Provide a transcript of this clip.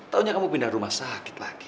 taunya kamu pindah rumah sakit lagi